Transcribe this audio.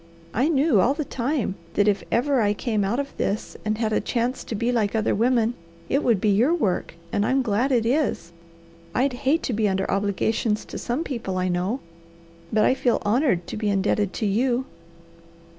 I knew all the time that if ever I came out of this, and had a chance to be like other women, it would be your work, and I'm glad it is. I'd hate to be under obligations to some people I know; but I feel honoured to be indebted to you."